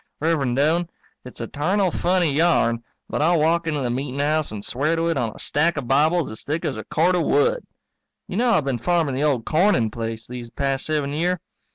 Rev'rend Doane, it's a tarnal funny yarn but I'll walk into the meetin' house and swear to it on a stack o'Bibles as thick as a cord of wood. You know I've been farming the old Corning place these past seven year?